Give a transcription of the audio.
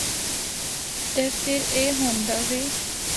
تے فر اے ہوندا وے۔